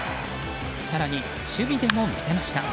更に、守備でも見せました。